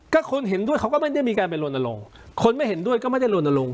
ก็คนเห็นด้วยเขาก็ไม่ได้มีการไปลนลงคนไม่เห็นด้วยก็ไม่ได้ลนลง